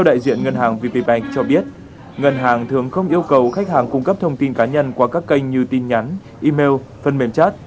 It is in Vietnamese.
tài khoản quý khách sẽ bị ngừng giao dịch